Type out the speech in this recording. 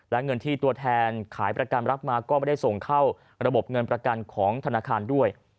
และเงินที่ตัวแทนขายประกันรับมาก็ไม่ได้ส่งเข้าระบบเงินประกันของธนาคารด้วย